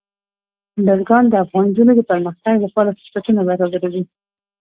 بزګان د افغان نجونو د پرمختګ لپاره فرصتونه برابروي.